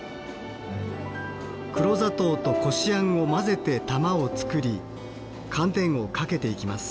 黒砂糖とこしあんを混ぜて玉を作り寒天をかけていきます。